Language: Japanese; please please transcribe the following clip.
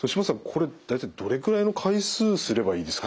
これ大体どれくらいの回数すればいいですか？